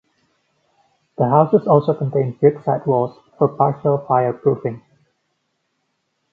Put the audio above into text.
The houses also contain brick sidewalls for partial fireproofing.